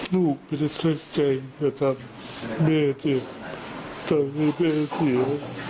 ลูกไม่ได้ช่วยใจจะทำแม่เจ็บทำให้แม่เสีย